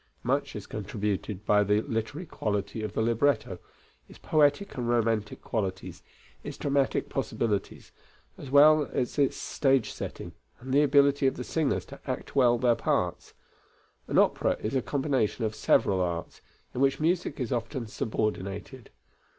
Much is contributed by the literary quality of the libretto, its poetic and romantic qualities, its dramatic possibilities, as well as its stage setting and the ability of the singers to act well their parts. An opera is a combination of several arts, in which music is often subordinated.